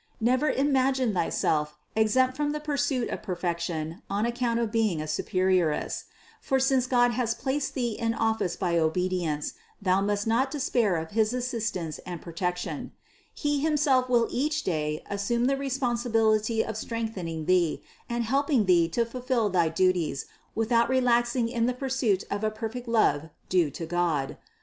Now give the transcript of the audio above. Never imagine thyself exempt from the pursuit of perfection on account of being a superioress; for since God has placed thee in office by obedience, thou must not despair of his assistance and protection ; He himself will each day as sume the responsibility of strengthening thee and helping thee to fulfill thy duties, without relaxing in the pursuit of a perfect love due to God.